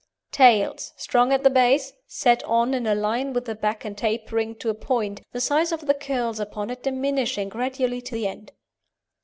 TAIL Strong at the base, set on in a line with the back and tapering to a point, the size of the curls upon it diminishing gradually to the end.